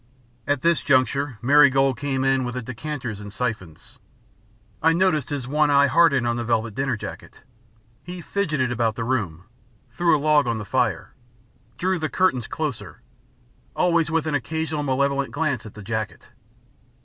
At this juncture Marigold came in with the decanters and syphons. I noticed his one eye harden on the velvet dinner jacket. He fidgeted about the room, threw a log on the fire, drew the curtains closer, always with an occasional malevolent glance at the jacket.